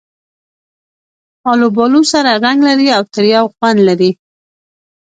آلوبالو سره رنګ لري او تریو خوند لري.